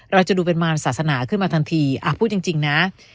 เราจะดูเป็นมารศาสนาขึ้นมาทันทีพูดจริงนะ